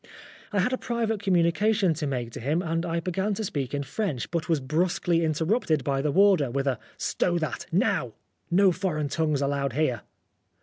I had a private communica tion to make to him, and I began to speak in French, but was brusquely interrupted by the warder with a " Stow that, now ! No foreign tongues allowed here."